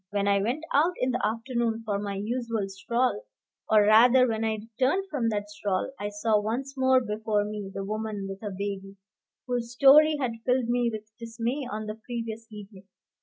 When I went out in the afternoon for my usual stroll, or rather when I returned from that stroll, I saw once more before me the woman with her baby, whose story had filled me with dismay on the previous evening.